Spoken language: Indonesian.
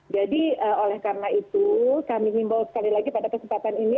jadi oleh karena itu kami ingin bawa sekali lagi pada kesempatan ini